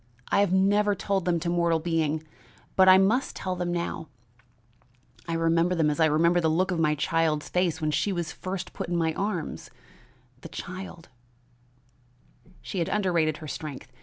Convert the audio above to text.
I have never told them to mortal being, but I must tell them now; I remember them as I remember the look of my child's face when she was first put in my arms, the child " She had underrated her strength.